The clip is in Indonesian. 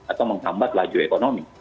atau menghambat laju ekonomi